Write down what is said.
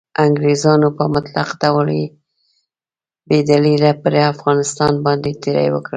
انګریزانو په مطلق ډول بې دلیله پر افغانستان باندې تیری وکړ.